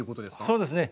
そうですね。